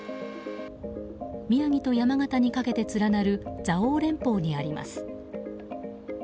宮城と山形にかけて連なる蔵王連峰にあります。